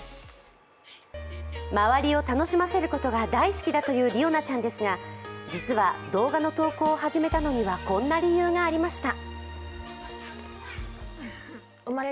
周りを楽しませることが大好きだというりおなちゃんですが、実は、動画の投稿を始めたのにはこんな理由がありました。